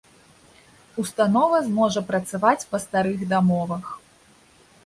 Установа зможа працаваць па старых дамовах.